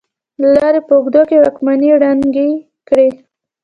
د لارې په اوږدو کې واکمنۍ ړنګې کړې.